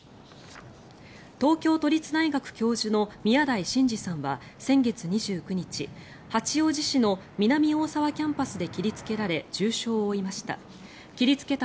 東京都立大学教授の宮台真司さんは先月２９日八王子市の南大沢キャンパスで切りつけられ重傷を負いました。